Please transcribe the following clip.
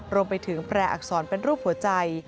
รวมไปถึงแปรอักษรเป็นรูปหัวใจ